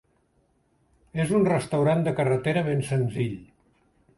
És un restaurant de carretera ben senzill.